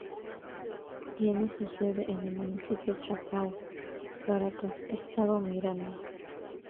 Tiene su sede en el Municipio Chacao, Caracas, Estado Miranda.